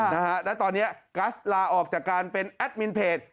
นะฮะแล้วตอนนี้กัสลาออกจากการเป็นแอดมินเพจ